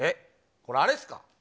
これ、あれっすか？